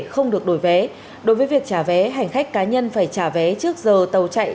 không được đổi vé đối với việc trả vé hành khách cá nhân phải trả vé trước giờ tàu chạy